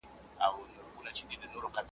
د يوسف سورت له سترو فايدو څخه يوه داده.